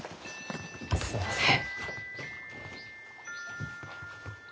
すみません。